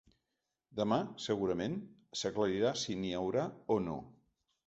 Demà, segurament, s’aclarirà si n’hi haurà o no.